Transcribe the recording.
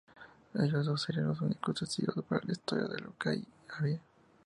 Ellos dos serían los únicos testigos para la historia de lo que allí había...